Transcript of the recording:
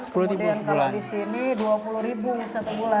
kalau di pulau panggang sepuluh satu bulan